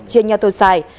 chia nhau thôi xài